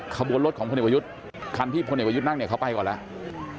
ขบวนรถของพลเอกประยุทธ์คันที่พลเอกประยุทธ์นั่งเนี่ยเขาไปก่อนแล้ว